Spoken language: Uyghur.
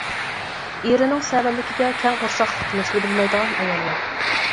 ئېرىنىڭ سەۋەنلىكىگە كەڭ قورساقلىق قىلىشنى بىلمەيدىغان ئاياللار.